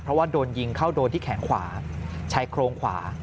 เพราะว่าโดนยิงเข้าโดนที่แขนขวาชายโครงขวา